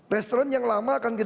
restoran yang lama akan kita bongkar